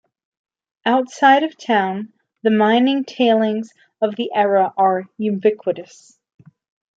Outside of town, the mining tailings of the era are ubiquitous.